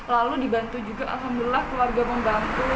lalu dibantu juga alhamdulillah keluarga membantu